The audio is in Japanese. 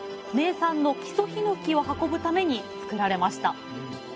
名産の木曽ひのきを運ぶために造られました。